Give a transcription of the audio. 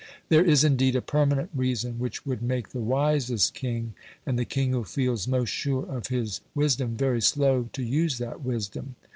There is, indeed, a permanent reason which would make the wisest king, and the king who feels most sure of his wisdom, very slow to use that wisdom.